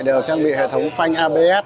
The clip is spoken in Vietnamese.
đều trang bị hệ thống phanh abs